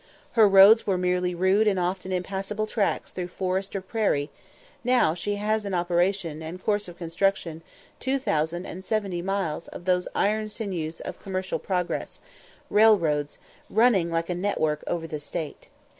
Her roads were merely rude and often impassable tracks through forest or prairie; now she has in operation and course of construction two thousand and seventy miles of those iron sinews of commercial progress railroads, running like a network over the State.